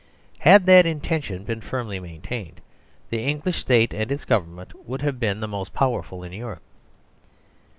Had that intention been firmly maintained, the 62 THE DISTRIBUTIVE FAILED English State and its government would have been the most powerful in Europe.